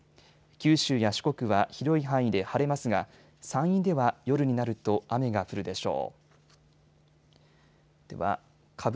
九州や四国は広い範囲で晴れますが山陰では夜になると雨が降るでしょう。